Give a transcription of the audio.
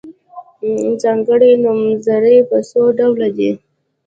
ځانګړي نومځري په څو ډوله دي.